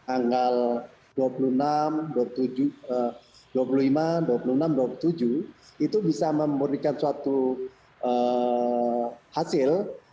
anggal dua puluh lima dua puluh enam dua puluh tujuh itu bisa memberikan suatu hasil